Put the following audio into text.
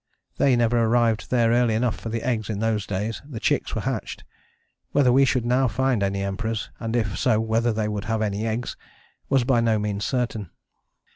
They never arrived there early enough for the eggs in those days; the chicks were hatched. Whether we should now find any Emperors, and if so whether they would have any eggs, was by no means certain.